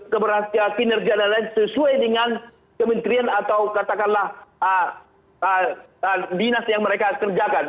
keberhasilan kinerja dan lain lain sesuai dengan kementerian atau katakanlah dinas yang mereka kerjakan